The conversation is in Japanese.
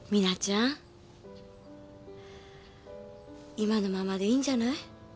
今のままでいいんじゃない？